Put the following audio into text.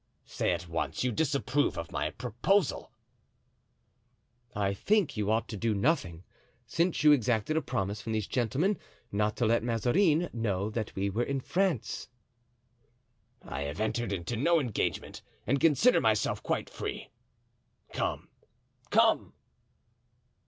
"Say at once you disapprove of my proposal." "I think you ought to do nothing, since you exacted a promise from these gentlemen not to let Mazarin know that we were in France." "I have entered into no engagement and consider myself quite free. Come, come."